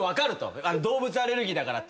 動物アレルギーだからっていって。